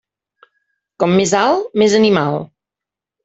Com més alt, més animal.